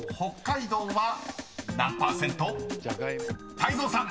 ［泰造さん］